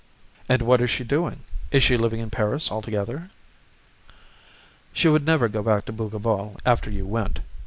"And what is she doing? Is she living in Paris altogether?" "She would never go back to Bougival after you went.